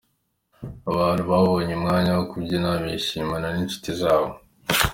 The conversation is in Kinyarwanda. Abantu babonye umwanya wo kubyina, bishimana n'inshuti zabo.